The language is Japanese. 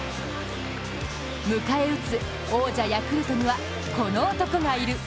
迎え撃つ王者ヤクルトにはこの男がいる。